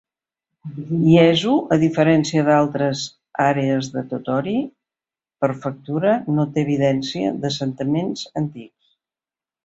Hiezu, a diferència d'altres àrees de Tottori Prefecture, no té evidència d'assentaments antics.